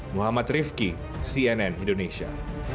muhammad rifqi cnn indonesia